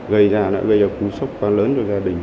gây ra đã gây ra cú sốc quá lớn cho gia đình